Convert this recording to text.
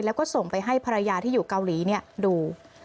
แล้วก็ส่งไปให้ภรรยาที่อยู่เกาหลีดู